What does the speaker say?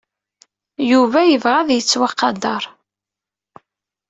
Yuba yebɣa ad yettwaqader.